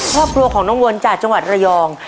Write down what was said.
ครอบครัวของน้องวนจากจังหวัดระยอง